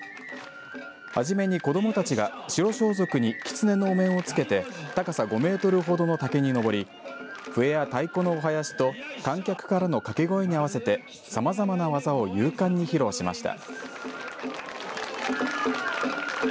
初めに子どもたちが白装束にきつねのお面を着けて高さ５メートルほどの竹に上り笛や太鼓のお囃子と観客からの掛け声に合わせてさまざまな技を勇敢に披露しました。